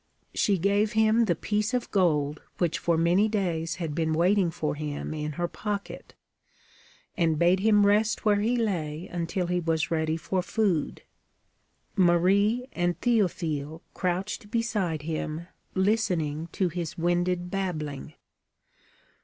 She gave him the piece of gold which for many days had been waiting for him in her pocket, and bade him rest where he lay until he was ready for food. Marie and Théophile crouched beside him, listening to his winded babbling.